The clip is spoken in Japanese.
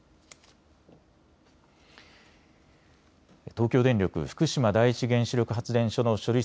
東京電力福島第一原子力発電所の処理